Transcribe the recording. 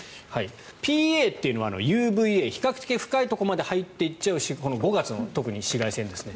ＰＡというのはＵＶＡ、比較的深いところにまで入っていっちゃう５月の紫外線ですね。